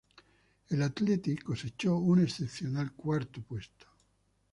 El Athletic cosechó un excepcional cuarto puesto.